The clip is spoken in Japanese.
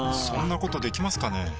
そんなことできますかね？